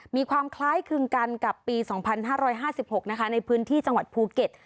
มีความคล้ายคลึงกันกับปี๒๕๕๖นะคะในพื้นที่จังหวัดภูเก็ต